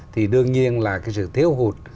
thì đương nhiên là cái sự thiếu hụt